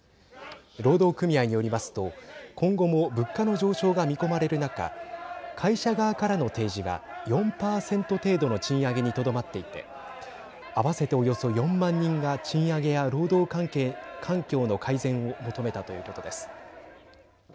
労働組合によりますと今後も物価の上昇が見込まれる中会社側からの提示は４％程度の賃上げにとどまっていて合わせて、およそ４万人が賃上げや労働環境の改善を求めたということです。